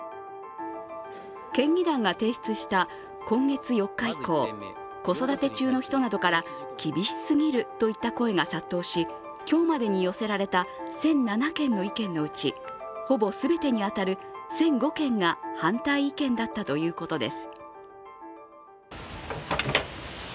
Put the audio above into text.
県議団が提出した今月４日以降、子育て中の人などから厳しすぎるといった声が殺到し今日までに寄せられた１００７件の意見のうちほぼ全てに当たる１００５件が反対意見だったということです。